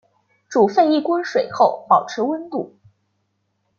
煮沸一锅水后保持温度。